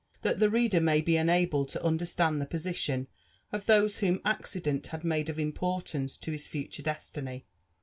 it the reader may be enabled to understand the posi tion of those whom accident had made of importance to his future destiny.